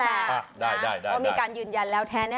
ต้องใช้ใจฟัง